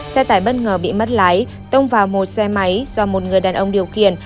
xe tải bất ngờ bị mất lái tông vào một xe máy do một người đàn ông điều khiển